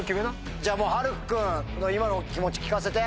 じゃあもう晴空君の今の気持ち聞かせて？